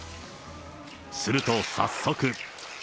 すると、早速。